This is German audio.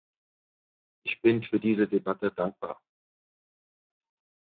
Ich bin für diese Debatte dankbar.